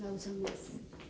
gak usah mas